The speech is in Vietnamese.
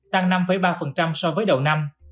tăng năm ba so với đầu năm